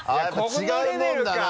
違うもんだな。